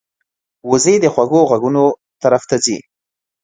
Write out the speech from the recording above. وزې د خوږو غږونو طرف ته ځي